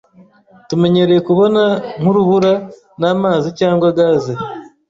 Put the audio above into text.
tumenyereye kubona nk'urubura namazi cyangwa gaze